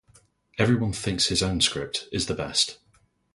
Everyone thinks his own script is the best.